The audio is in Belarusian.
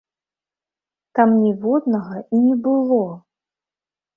Там ніводнага і не было!